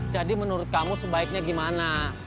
jadi menurut kamu sebaiknya gimana